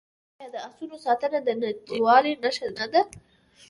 آیا د اسونو ساتنه د نجیبوالي نښه نه ده؟